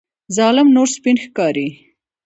ظالم نور سپین ښکاري.